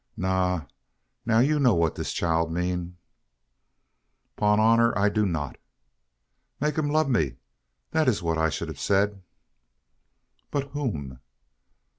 "Na, now; you know what dis chile mean?" "'Pon honour, I do not." "Make em lub me. Dat's what I should hab say." "But whom?"